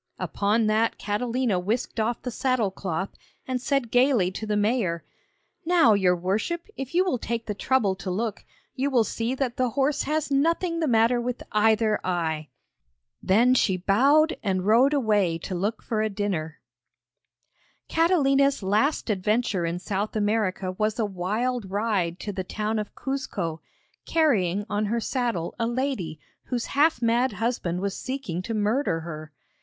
Upon that Catalina whisked off the saddle cloth, and said gaily to the mayor: 'Now, your worship, if you will take the trouble to look, you will see that the horse has nothing the matter with either eye!' Then she bowed and rode away to look for a dinner. Catalina's last adventure in South America was a wild ride to the town of Cuzco, carrying on her saddle a lady whose half mad husband was seeking to murder her.